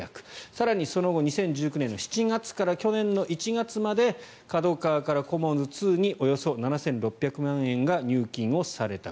更にその後２０１９年の７月から去年の１月までＫＡＤＯＫＡＷＡからコモンズ２におよそ７６００万円が入金された。